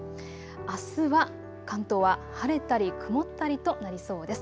あすは関東は晴れたり曇ったりとなりそうです。